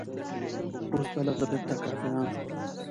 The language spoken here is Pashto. وروسته له هغه بیرته کافران شول.